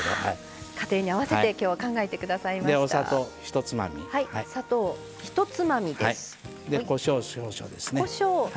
家庭に合わせて考えてくださいました。